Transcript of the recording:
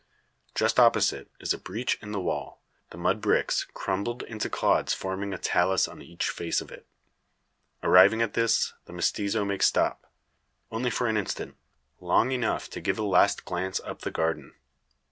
Just opposite, is a breach in the wall; the mud bricks, crumbled into clods forming a talus on each face of it. Arriving at this, the mestizo makes stop. Only for an instant, long enough to give a last glance up the garden.